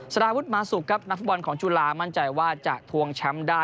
สารวุฒิมาสุกครับนักฟุตบอลของจุฬามั่นใจว่าจะทวงแชมป์ได้